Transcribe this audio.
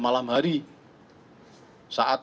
malam hari saat